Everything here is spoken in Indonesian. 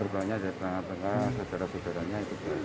data data data data datanya itu juga sama